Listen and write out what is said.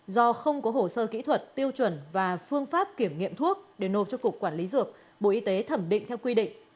do không có hồ sơ kỹ thuật tiêu chuẩn và phương pháp kiểm nghiệm thuốc để nộp cho cục quản lý dược bộ y tế thẩm định theo quy định